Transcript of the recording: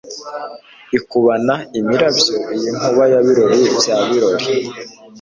Ikubana imirabyo Iyi nkuba ya Birori bya Biraro